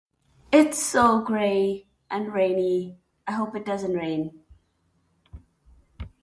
It's so gray. And rainy. I hope it doesn't rain.